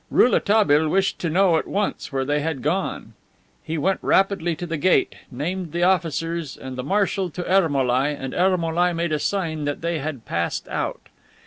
Rouletabille wished to know at once where they had gone. He went rapidly to the gate, named the officers and the marshal to Ermolai, and Ermolai made a sign that they had passed out.